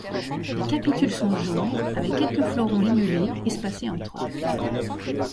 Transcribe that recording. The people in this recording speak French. Les capitules sont jaunes, avec quelques fleurons ligulés, espacés entre eux.